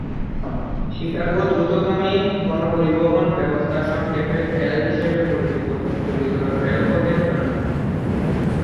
Chicago দ্রুতগামী গণপরিবহন ব্যবস্থা সংক্ষেপে "এল" হিসাবে পরিচিত উত্তোলিত রেলপথের জন্য।